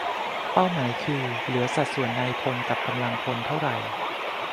- เป้าคือเหลือสัดส่วนนายพลกับกำลังพลเท่าไหร่